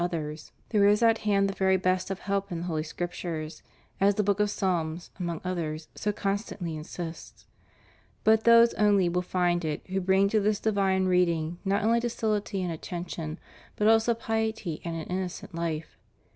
277 there is at hand the very best of help in the Holy Script ures, as the Book of Psalms, among others, so constantly insists ; but those only will find it who bring to this divine reading not only docility and attention but also piety and an innocent life.